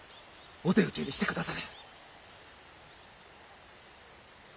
お手討ちにしてくだされ！